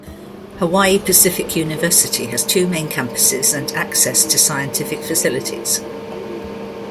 Hawaii Pacific University has two main campuses and access to scientific facilities.